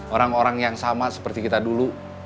orang orang yang sama seperti kita dulu